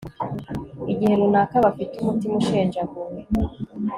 igihe runaka bafite umutima ushenjaguwe